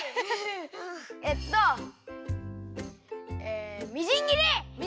えっとえみじん切り！